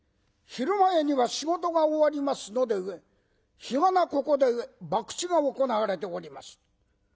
昼前には仕事が終わりますので日がなここでばくちが行われております。